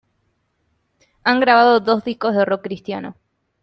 Han grabado dos discos de rock cristiano.